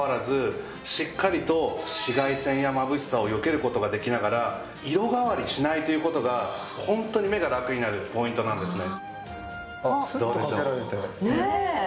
しっかりと紫外線やまぶしさをよける事ができながら色変わりしないという事がホントに目がラクになるポイントなんですね。